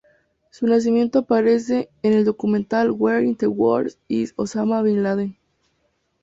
Su nacimiento aparece en el documental "Where in the World Is Osama Bin Laden?